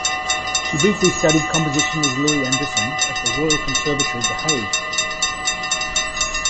She briefly studied composition with Louis Andriessen at the Royal Conservatory of The Hague.